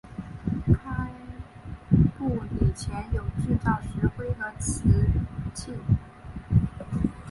开埠以前有制造石灰与瓷器。